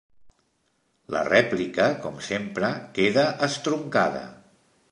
La rèplica, com sempre, queda estroncada.